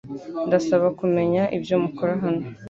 Ndasaba kumenya ibyo mukora hano .